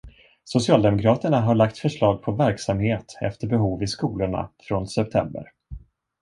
Socialdemokraterna har lagt förslag på verksamhet efter behov i skolorna från september.